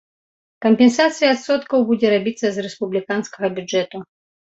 Кампенсацыя адсоткаў будзе рабіцца з рэспубліканскага бюджэту.